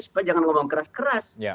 supaya jangan ngomong keras keras